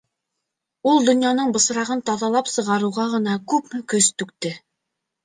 Ул донъяның бысрағын таҙалап сығарыуға ғына күпме көс түкте!